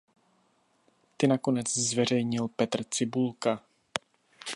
Ty nakonec zveřejnil Petr Cibulka.